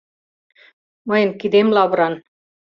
— Мыйын кидем лавран...